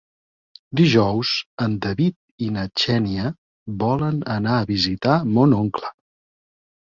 Dijous en David i na Xènia volen anar a visitar mon oncle.